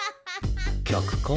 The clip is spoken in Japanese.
客か？